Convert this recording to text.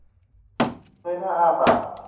เงยหน้าอ้าปาก